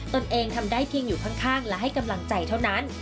ตนเองทำได้เพียงอยู่ข้างและให้กำลังใจเท่านั้น